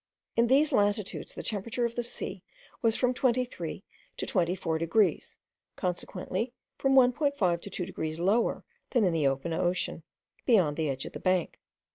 In these latitudes the temperature of the sea was from twenty three to twenty four degrees, consequently from 1.5 to two degrees lower than in the open ocean, beyond the edge of the bank.